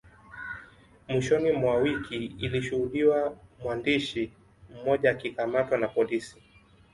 Mwishoni mwa wiki ilishuhudiwa mwandishi mmoja akikamatwa na polisi